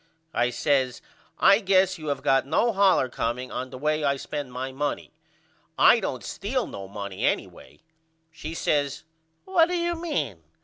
I says I guess you have got no hollor comeing on the way I spend my money. I don't steal no money anyway. She says What do you mean?